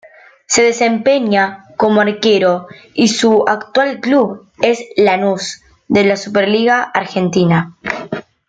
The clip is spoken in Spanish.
Se desempeña como arquero y su actual club es Lanús de la Superliga Argentina.